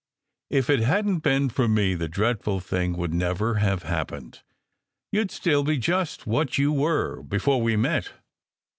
If it hadn t been for me the dreadful thing would never have happened. You d still be just what you were before we met."